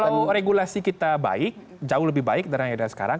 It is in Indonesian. nah populasi kita baik jauh lebih baik daripada sekarang